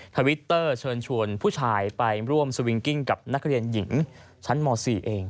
ทวิตเตอร์เชิญชวนผู้ชายไปร่วมสวิงกิ้งกับนักเรียนหญิงชั้นม๔เอง